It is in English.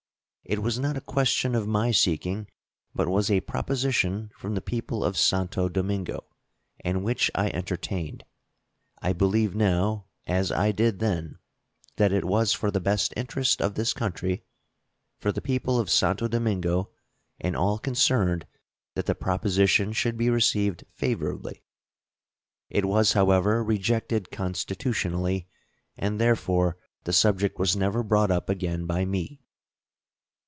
It was not a question of my seeking, but was a proposition from the people of Santo Domingo, and which I entertained. I believe now, as I did then, that it was for the best interest of this country, for the people of Santo Domingo, and all concerned that the proposition should be received favorably. It was, however, rejected constitutionally, and therefore the subject was never brought up again by me.